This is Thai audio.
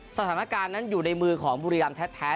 สถานการณ์นั้นอยู่ในมือของบุรีรำแท้